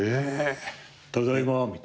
「ただいま」みたいな。